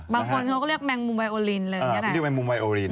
บางคนเราก็เรียกแมงมุมไวโอลีน